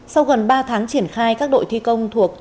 sau gần ba tháng triển khai các đội thi công thuộc